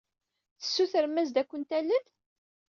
Tessutremt-as ad kent-talel?